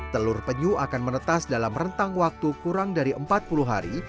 telur penyu akan menetas dalam rentang waktu kurang dari empat puluh hari